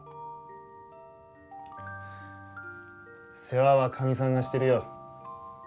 世話はカミさんがしてるよ。